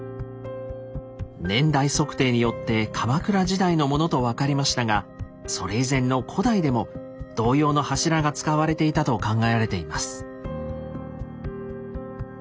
年代測定によって鎌倉時代のものと分かりましたがそれ以前の古代でも同様の柱が使われていたと考えられています。